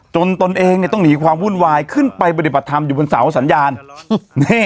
ตนเองเนี่ยต้องหนีความวุ่นวายขึ้นไปปฏิบัติธรรมอยู่บนเสาสัญญาณ